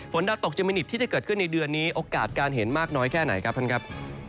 ดาตกเจมินิตที่จะเกิดขึ้นในเดือนนี้โอกาสการเห็นมากน้อยแค่ไหนครับท่านครับ